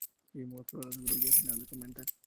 Y mostró las grullas en el documental.